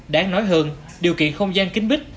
đáng nói hơn điều kiện không gian kính bích